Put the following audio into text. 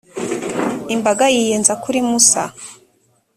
imbaga yiyenza kuri musa.